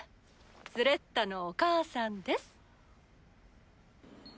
スレッタのお母さんです。